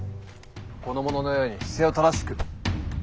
この者のように姿勢を正しく。